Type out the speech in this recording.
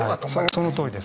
そのとおりです。